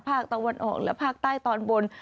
ภาคตะวันออกและภาคใต้ตอนบน